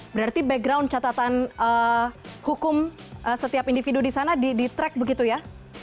berarti background catatan hukum setiap individu di sana di track begitu ya